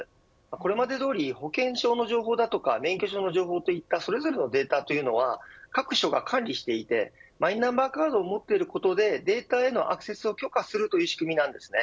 これまでどおり保険証上の情報だったり免許証といったそれぞれのデータというのは各所が管理していてマイナンバーカードを持っていることでデータへのアクセスを許可するという仕組みです。